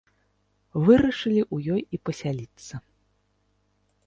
Вырашылі ў ёй і пасяліцца.